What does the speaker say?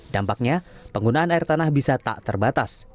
dampaknya penggunaan air tanah bisa tak terbatas